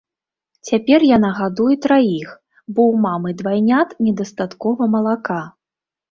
Цяпер яна гадуе траіх, бо ў мамы двайнят недастаткова малака.